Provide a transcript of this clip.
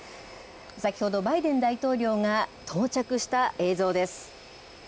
先ほどバイデン大統領が到着した映像です。